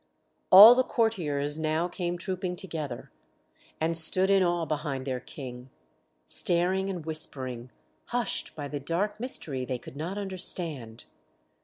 All the courtiers now came trooping together and stood in awe behind their King, staring and whispering, hushed by the dark mystery they could not understand.